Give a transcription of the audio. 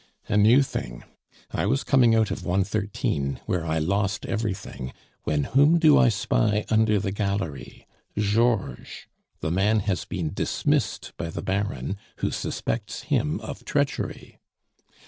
"A new thing! I was coming out of 113, where I lost everything, when whom do I spy under the gallery? Georges! The man has been dismissed by the Baron, who suspects him of treachery."